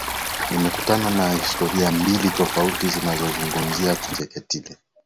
nimekutana na historia mbili tofauti zinazomzungumzia Kinjekitile